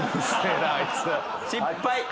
失敗。